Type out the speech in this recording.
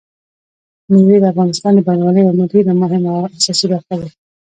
مېوې د افغانستان د بڼوالۍ یوه ډېره مهمه او اساسي برخه ده.